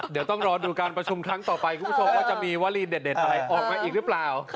เดี๋ยวต้องรอดูการประชุมครั้งต่อไปคุณผู้ชมว่าจะมีวลีเด็ดอะไรออกมาอีกหรือเปล่า